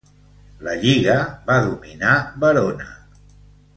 La lliga va dominar Verona.